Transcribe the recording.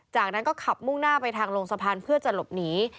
จากนั้นก็ขับมุ่งหน้าไปทางลงสะพานเพื่อจะหลบหนี